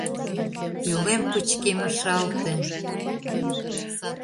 Пӧлем пычкемышалте.